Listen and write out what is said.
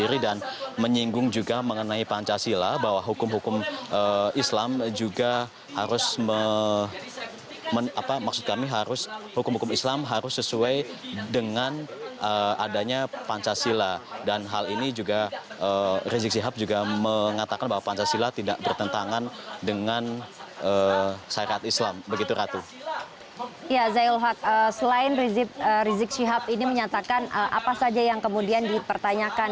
rizik shihab berkata